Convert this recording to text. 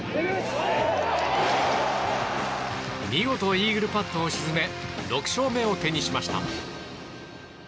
見事イーグルパットを沈め６勝目を手にしました。